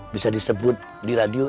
bisa disebut di radio